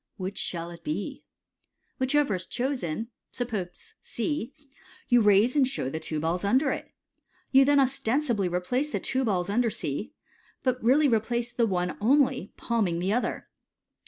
Which shall it be ?" Whichever is chosen, suppose C, you raise and show the two balls under it. You then ostensibly replace the two balls under C, but really replace the one only, palm ing the other.